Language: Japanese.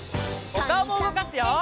おかおもうごかすよ！